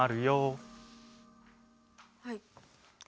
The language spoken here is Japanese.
はい。